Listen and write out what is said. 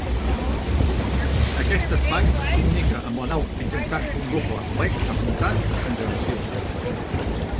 Aquest espai es comunica amb la nau mitjançant un doble plec apuntat, en gradació.